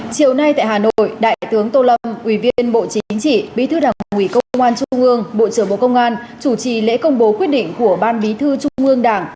chiều nay tại hà nội đại tướng tô lâm ủy viên bộ chính trị bí thư đảng ủy công an trung ương bộ trưởng bộ công an chủ trì lễ công bố quyết định của ban bí thư trung ương đảng